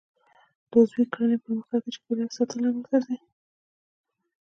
د عضوي کرنې پرمختګ د چاپیریال د ساتنې لامل ګرځي.